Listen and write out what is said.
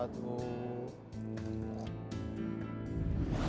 อ๋อถูก